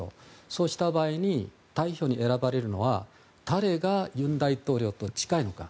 そうした場合に代表に選ばれるのは誰が尹大統領と近いのか。